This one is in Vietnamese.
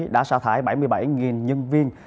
đã xả thải bảy mươi bảy nhân viên